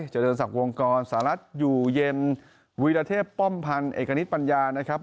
เจริญศักดิ์วงกรสหรัฐอยู่เย็นวีรเทพป้อมพันธ์เอกณิตปัญญานะครับ